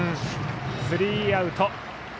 スリーアウト。